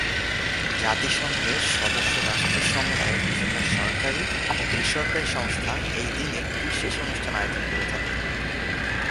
জাতিসংঘের সদস্য রাষ্ট্রসমূহের বিভিন্ন সরকারি ও বেসরকারি সংস্থা এই দিনে বিশেষ অনুষ্ঠান আয়োজন করে থাকে।